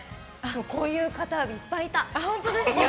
こういう方、いっぱいいた。